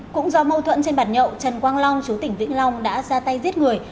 cũng do mâu thuẫn trên bản nhậu trần quang long chú tỉnh vĩnh long đã ra tay giết người